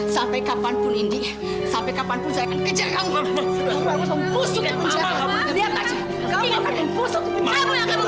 sampai kapanpun indi sampai kapanpun saya akan kejar